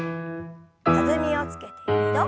弾みをつけて２度。